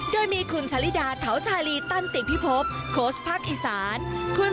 โดยมีคุณชาลิดาทาวชาลีตั้นติกพิภพโครสภาคไทยสารคุณ